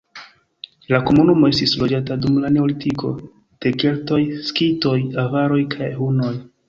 La komunumo estis loĝata dum la neolitiko, de keltoj, skitoj, avaroj kaj hunoj.